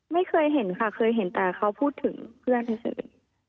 ไม่เคยเห็นค่ะเคยเห็นแต่เขาพูดถึงเพื่อนเฉย